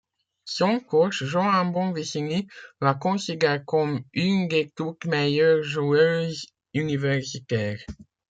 Son coach Joan Bonvicini la considère comme une des toutes meilleures joueuses universitaires.